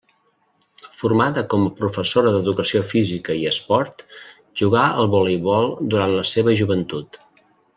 Formada com a professora d’educació física i esport, jugà al voleibol durant la seva joventut.